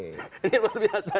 ini luar biasa